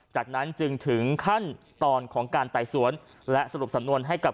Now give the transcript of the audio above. จากนั้นจึงถึงขั้นตอนของการไต่สวนและสรุปสำนวนให้กับ